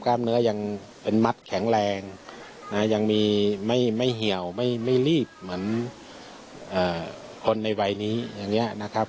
กล้ามเนื้อยังเป็นมัดแข็งแรงนะยังมีไม่เหี่ยวไม่รีบเหมือนคนในวัยนี้อย่างนี้นะครับ